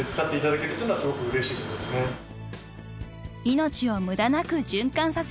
［命を無駄なく循環させる］